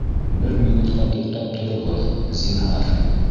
Бер минутҡа туҡтап тороғоҙ, зинһар!